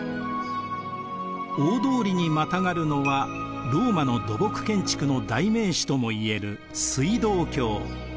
大通りにまたがるのはローマの土木建築の代名詞ともいえる水道橋。